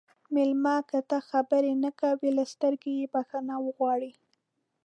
مېلمه ته که خبرې نه کوي، له سترګو یې بخښنه وغواړه.